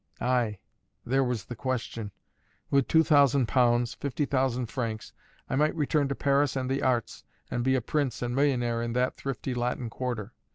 Ay, there was the question. With two thousand pounds fifty thousand francs I might return to Paris and the arts, and be a prince and millionaire in that thrifty Latin Quarter.